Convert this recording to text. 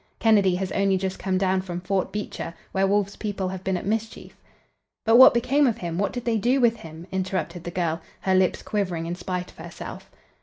Kennedy has only just come down from Fort Beecher, where Wolf's people have been at mischief." "But what became of him? What did they do with him?" interrupted the girl, her lips quivering in spite of herself.